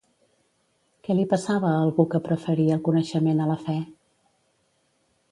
Què li passava a algú que preferia el coneixement a la fe?